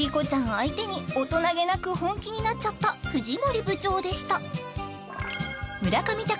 相手に大人げなく本気になっちゃった藤森部長でした村上隆